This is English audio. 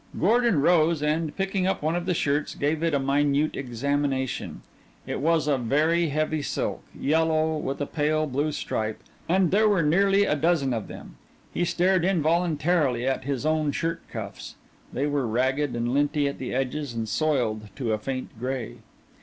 Gordon rose and, picking up one of the shirts, gave it a minute examination. It was of very heavy silk, yellow, with a pale blue stripe and there were nearly a dozen of them. He stared involuntarily at his own shirt cuffs they were ragged and linty at the edges and soiled to a faint gray.